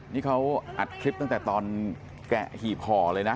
นี่เขาอัดคลิปตั้งแต่ตอนแกะหีบห่อเลยนะ